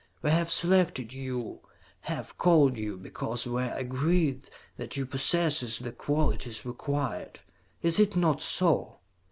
We have selected you, have called you, because we are agreed that you possess the qualities required. Is it not so?"